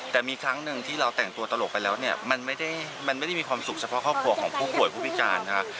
แต่มีครั้งหนึ่งที่เราแต่งตัวตลกไปแล้วเนี่ยมันไม่ได้มันไม่ได้มีความสุขเฉพาะครอบครัวของผู้ป่วยผู้พิจารณ์นะครับ